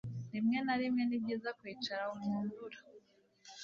rimwe na rimwe, ni byiza kwicara mu mvura